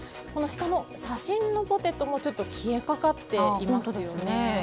下の写真のポテトもちょっと消えかかっていますよね。